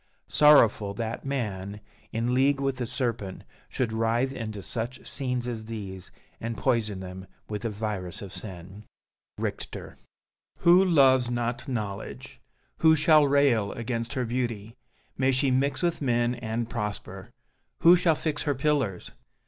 Sorrowful that man, in league with the serpent, should writhe into such scenes as these, and poison them with the virus of sin. Richter Who loves not Knowledge? Who shall rail Against her beauty? May she mix With men and prosper! Who shall fix Her pillars?